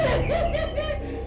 gue suap ntar gue kasih duit